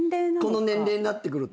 この年齢になってくると。